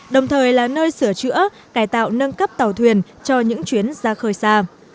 đồng thời là nơi sửa chữa cải tạo nâng cấp tàu thuyền cho những chuyến ra khơi xa